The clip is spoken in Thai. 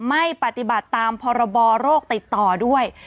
ไม่ปฏิบัติตามพรบโรคติดต่อด้วย